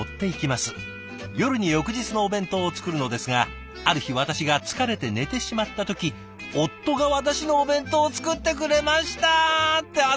夜に翌日のお弁当を作るのですがある日私が疲れて寝てしまった時夫が私のお弁当を作ってくれました」ってああ